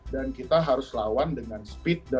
dan kita harus lawan dengan speed dan akurasi tembakan